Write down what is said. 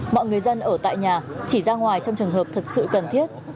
mọi người dân ở tại nhà chỉ ra ngoài trong trường hợp thật sự cần thiết